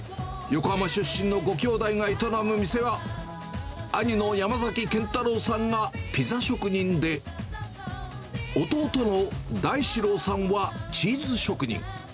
横浜出身のご兄弟が営む店は、兄の山崎健太郎さんが、ピザ職人で、弟の大志郎さんはチーズ職人。